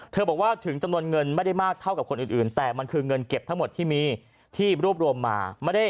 บอกว่าถึงจำนวนเงินไม่ได้มากเท่ากับคนอื่นแต่มันคือเงินเก็บทั้งหมดที่มีที่รวบรวมมา